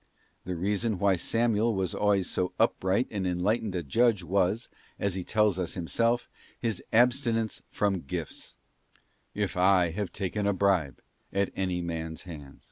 The reason why Samuel was always so upright and enlightened a judge was, as he tells us himself, his abstinence from gifts: 'If I have taken a bribe at any man's hand.